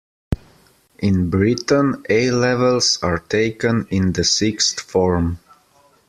In Britain, A-levels are taken in the sixth form